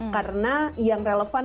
karena yang relevan